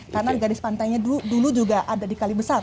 karena garis pantainya dulu juga ada di kalibesar